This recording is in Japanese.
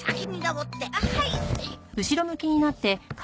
はい。